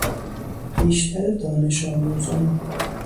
بیشتر دانش آموزان